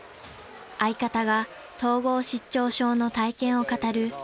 ［相方が統合失調症の体験を語る講演会］